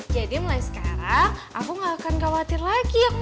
jadi mulai sekarang aku gak akan khawatir lagi